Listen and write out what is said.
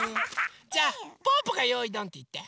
じゃあぽぅぽが「よいどん！」っていって。